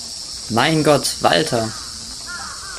Mein Gott, Walter!